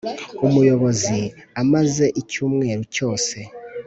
umuyobozi amaze icyumweru cyose